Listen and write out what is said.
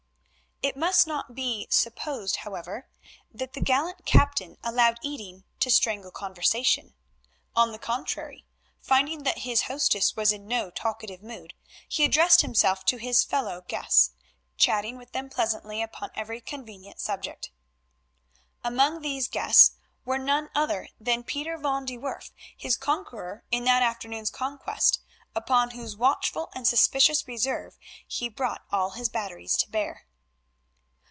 It must not be supposed, however, that the gallant captain allowed eating to strangle conversation. On the contrary, finding that his hostess was in no talkative mood, he addressed himself to his fellow guests, chatting with them pleasantly upon every convenient subject. Among these guests was none other than Pieter van de Werff, his conqueror in that afternoon's conquest, upon whose watchful and suspicious reserve he brought all his batteries to bear.